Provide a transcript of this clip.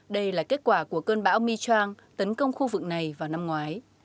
đây là kết quả của cơn bão meechang tấn công khu vực này vào năm ngoái